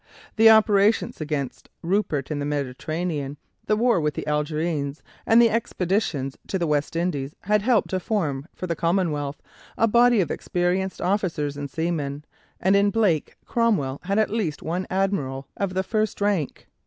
The operations against Rupert in the Mediterranean, the war with the Algerines, and the expeditions to the West Indies had helped to form for the Commonwealth a body of experienced officers and seamen, and in Blake, Cromwell had at least one admiral of the first rank.